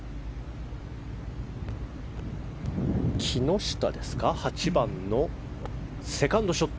木下、８番のセカンドショット。